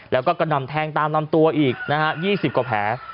แล้วก็กระหน่ำแทงตามลำตัวอีกนะฮะ๒๐กว่าแผล